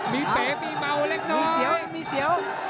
มีเป๋มีเบาเล็กน้อย